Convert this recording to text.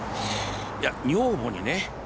いや女房にね